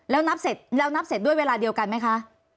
แล้วนับเสร็จด้วยเวลาเดียวกันไหมคะ